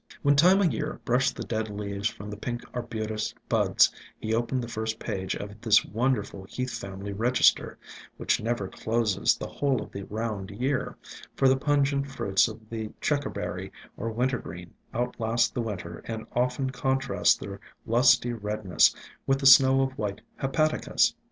When Time o' Year brushed the dead leaves from the pink Arbutus buds he opened the first page of this wonderful Heath Family register, which never closes the whole of the round year, for the pungent fruits of the Checkerberry or Wintergreen outlast the winter and often contrast their lusty redness with the snow of white Hepaticas.